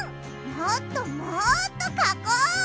もっともっとかこう！